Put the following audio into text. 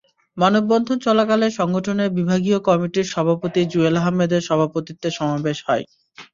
মানববন্ধন চলাকালে সংগঠনের বিভাগীয় কমিটির সভাপতি জুয়েল আহমদের সভাপতিত্বে সমাবেশ হয়।